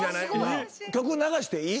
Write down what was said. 曲流していい？